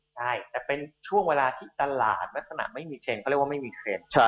ใช่แต่เป็นช่วงเวลาที่ตลาดลักษณะไม่มีเทรนดเขาเรียกว่าไม่มีเทรนด์